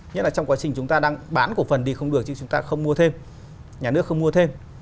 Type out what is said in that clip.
nhất là trong quá trình chúng ta đang bán cổ phần thì không được chứ chúng ta không mua thêm nhà nước không mua thêm